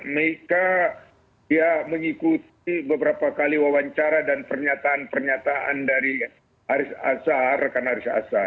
mereka dia mengikuti beberapa kali wawancara dan pernyataan pernyataan dari haris azhar rekan haris azhar